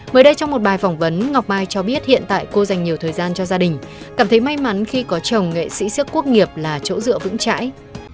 mới đây trong một bài phỏng vấn ngọc mai cho biết hiện tại cô dành nhiều thời gian cho gia đình cảm thấy may mắn khi có chồng nghệ sĩ siếc quốc nghiệp là chỗ dựa vững chãi